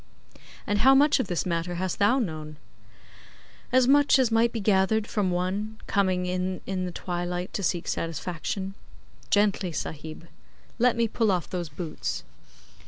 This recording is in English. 'And how much of this matter hast thou known?' 'As much as might be gathered from One coming in in the twilight to seek satisfaction. Gently, Sahib. Let me pull off those boots.